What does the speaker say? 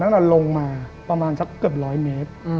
มันยังไม่มี